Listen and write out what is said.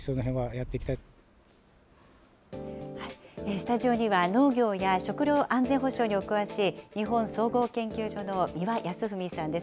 スタジオには、農業や食料安全保障にお詳しい、日本総合研究所の三輪泰史さんです。